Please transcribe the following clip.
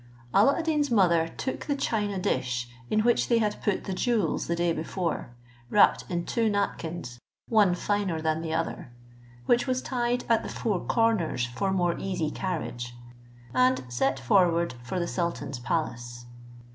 Alla ad Deen's mother took the china dish, in which they had put the jewels the day before, wrapped in two napkins, one finer than the other, which was tied at the four corners for more easy carriage, and set forward for the sultan's palace.